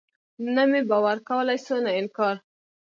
نه مې باور کولاى سو نه انکار.